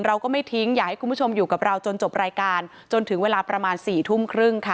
เราก็ไม่ทิ้งอยากให้คุณผู้ชมอยู่กับเราจนจบรายการจนถึงเวลาประมาณ๔ทุ่มครึ่งค่ะ